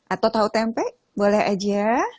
atau tahu tempe boleh aja